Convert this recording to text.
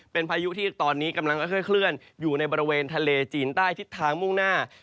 เป็นพายุที่ตอนนี้กำลังค่อยเคลื่อนอยู่ในบริเวณทะเลจีนใต้ทิศทางมุ่งหน้า